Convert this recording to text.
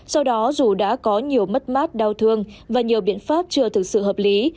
sau đó dù đã có nhiều mất mát đau thương và nhiều biện pháp chưa thực sự hợp lý